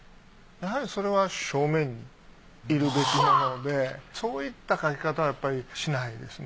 やはりそれは正面にいるべきものでそういった描き方はやっぱりしないですね。